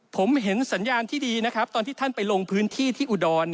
ผมเห็นสัญญาณที่ดีนะครับตอนที่ท่านไปลงพื้นที่ที่อุดร